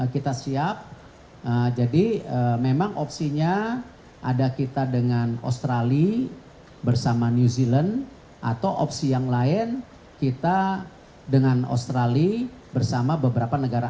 kita siap jadi memang opsinya ada kita dengan australia bersama new zealand atau opsi yang lain kita dengan australia bersama beberapa negara